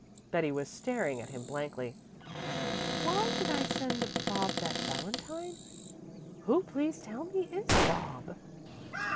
Betty was staring at him blankly, "Why did I send 'Bob' that valentine? Who please tell me is 'Bob'?"